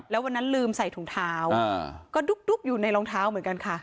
แล้ววันนั้นลืมใส่ถุงเท้าก็ดุ๊กอยู่ในรองเท้าเหมือนกันค่ะ